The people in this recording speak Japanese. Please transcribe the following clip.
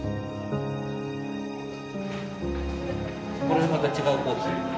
これまた違うコーヒー。